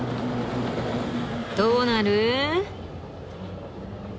どうなる？